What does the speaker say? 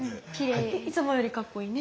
いつもよりかっこいいね。